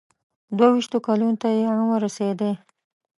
دوه ویشتو کلونو ته یې عمر رسېدی.